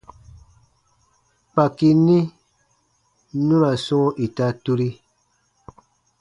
Kpaki ni nu ra sɔ̃ɔ ita turi.